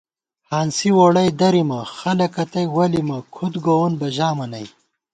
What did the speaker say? ہانسی ووڑَئی دَرِمہ، خلَکہ تئ ولِمہ، کُھد گووون بہ ژامہ نئ